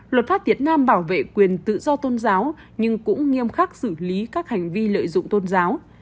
luật pháp việt nam bảo vệ quyền tự do tôn giáo nhưng cũng nghiêm khắc xử lý các hành vi lợi dụng tôn giáo